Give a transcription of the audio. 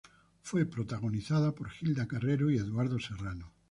Fue protagonizada por Hilda Carrero y Eduardo Serrano.